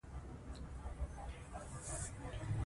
د کابل سیند د افغانستان د سیلګرۍ برخه ده.